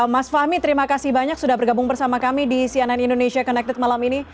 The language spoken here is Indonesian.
mas fahmi terima kasih banyak sudah bergabung bersama kami di cnn indonesia connected malam ini